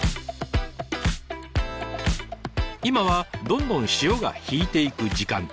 今はどんどん潮が引いていく時間帯。